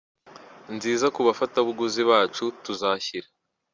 nziza ku bafatabuguzi bacu, tuzashyira.